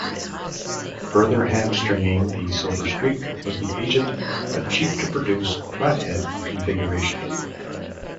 Further hamstringing the "Silver Streak" was the aged, but cheap to produce, flathead configuration.